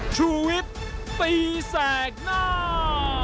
ชุวิตตีแสดหน้า